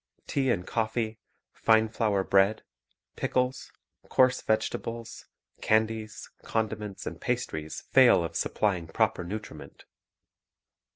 Tea and coffee, fine flour bread, pickles, coarse vege tables, candies, condiments, and pastries fail of supplying proper nutriment.